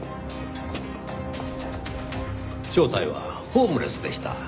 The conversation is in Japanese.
正体はホームレスでした。